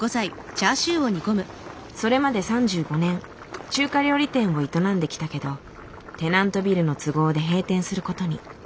それまで３５年中華料理店を営んできたけどテナントビルの都合で閉店することに。